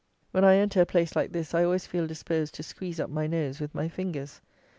When I enter a place like this, I always feel disposed to squeeze up my nose with my fingers.